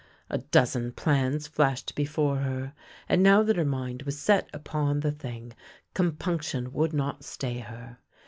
A dozen plans flashed before her, and now that her mind was set upon the thing, compunction would not stay her.